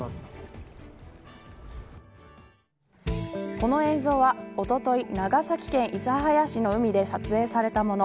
この映像は、おととい長崎県諫早市の海で撮影されたもの。